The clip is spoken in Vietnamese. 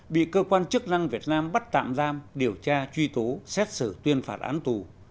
bị cơ quan chức năng việt nam bắt tạm giam điều tra truy tố xét xử tuyên phạt án tù